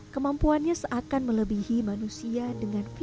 kemampuannya seakan melebihi manusia dengan virus